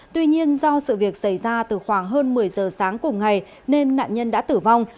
tuy nhiên do sự việc xảy ra từ khoảng hơn một mươi giờ sáng cùng ngày nên nạn nhân đã tử vong